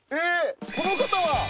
この方は。